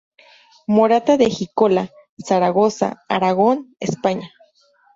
Morata de Jiloca, Zaragoza, Aragón, España